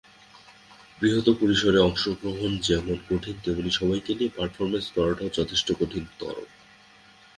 বৃহত্ পরিসরে অংশগ্রহণ যেমন কঠিন, তেমনি সবাইকে নিয়ে পারফরমেন্স করাটাও যথেষ্ট কঠিনতর।